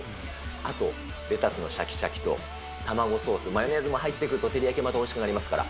あと、レタスのしゃきしゃきと卵ソース、マヨネーズも入ってくるとテリヤキ、またおいしくなりますから。